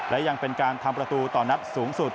และยังเป็นการทำประตูต่อนัดสูงสุด